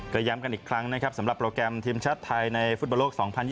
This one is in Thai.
กระย้ำกันอีกครั้งสำหรับโปรแกรมทีมชัดไทยในฟุตเบอร์โลก๒๐๒๒